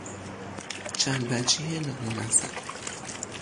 چندوجهی نامنظم